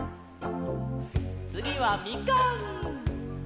つぎは「みかん」！